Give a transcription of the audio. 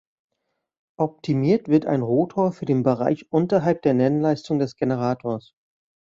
Optimiert wird ein Rotor für den Bereich unterhalb der Nennleistung des Generators.